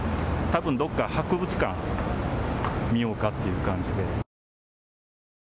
たぶんどこか博物館を見ようかっていうか。